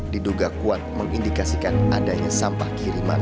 diduga kuat mengindikasikan adanya sampah kiriman